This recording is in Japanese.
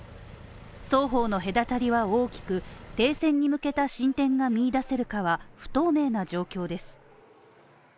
双方の隔たりは大きく、停戦に向けた進展が見いだせるかは不透明な状況です。